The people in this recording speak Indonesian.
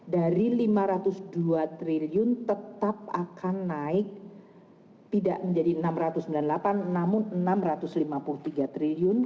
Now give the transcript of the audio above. dari rp lima ratus dua triliun tetap akan naik tidak menjadi rp enam ratus sembilan puluh delapan namun rp enam ratus lima puluh tiga triliun